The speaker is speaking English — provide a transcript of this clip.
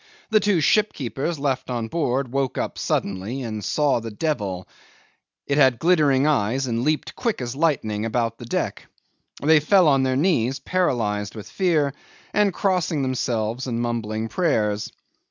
The two shipkeepers left on board woke up suddenly and saw the devil. It had glittering eyes and leaped quick as lightning about the deck. They fell on their knees, paralysed with fear, crossing themselves and mumbling prayers.